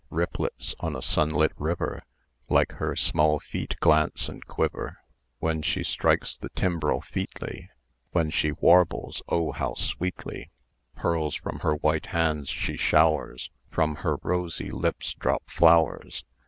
Ripplets on a sunlit river Like her small feet glance and quiver. When she strikes the timbrel featly, When she warbles, oh how sweetly! Pearls from her white hands she showers, From her rosy lips drop flowers.